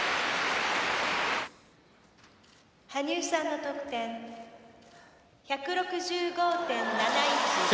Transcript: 「羽生さんの得点１６５．７１。